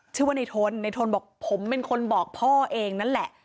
ชื่อว่าในทนในทนบอกผมเป็นคนบอกพ่อเองนั่นแหละ